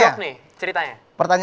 mual bahas apa nih ceritanya